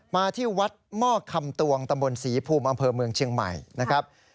มาที่วัดหม้อคำตวงตำบลศรีภูมิอำเภอเมืองเชียงใหม่นะครับ